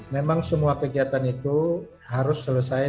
memang semua kegiatan itu harus selesai